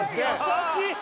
優しい！